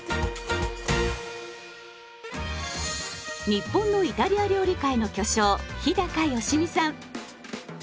日本のイタリア料理界の巨匠日良実さん。